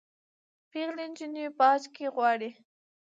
پیغلي نجوني باج کي غواړي